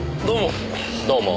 どうも。